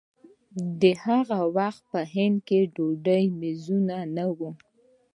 د هغه وخت په هند کې د ډوډۍ مېزونه نه وو.